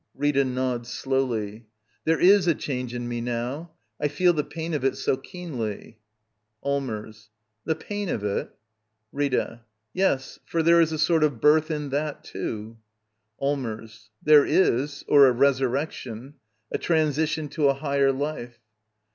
Rita. [Nods slowly.] There is a change in me *^ now. I feel the pain of it so keenly. Al;.mers. The pain of it? xJttrA. Yes, for there is a sort of birth in that, too. Allmers. There is — or a resurrection. A 'transition to a higher life.